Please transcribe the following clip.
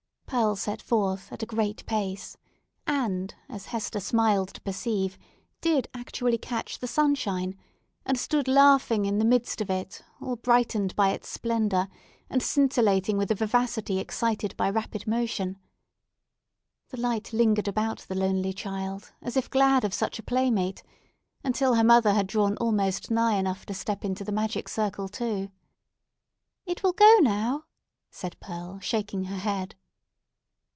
Pearl set forth at a great pace, and as Hester smiled to perceive, did actually catch the sunshine, and stood laughing in the midst of it, all brightened by its splendour, and scintillating with the vivacity excited by rapid motion. The light lingered about the lonely child, as if glad of such a playmate, until her mother had drawn almost nigh enough to step into the magic circle too. "It will go now," said Pearl, shaking her head.